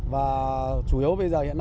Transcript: và chủ yếu bây giờ